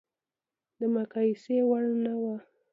د مقایسې وړ نه و.